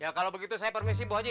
ya kalau begitu saya permisi bu haji